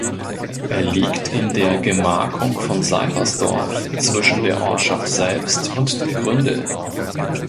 Er liegt in der Gemarkung von Seifersdorf zwischen der Ortschaft selbst und dem Gründel.